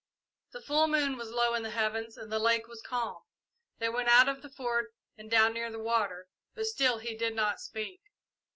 The full moon was low in the heavens and the lake was calm. They went out of the Fort and down near the water, but still he did not speak.